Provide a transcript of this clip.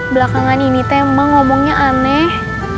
belakangan ini tema ngomongnya aneh